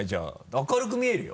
明るく見えるよ。